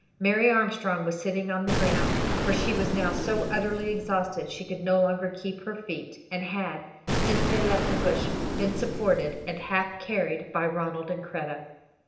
Mary Armstrong was sitting on the ground, for she was now so utterly exhausted she could no longer keep her feet, and had, since they left the bush, been supported and half carried by Ronald and Kreta.